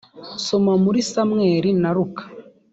soma muri samweli na luka